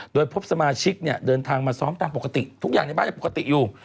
โดยพบสมาชิกเนี่ยเดินทางมาซ้อมตามปกติทุกอย่างในบ้านยังปกติอยู่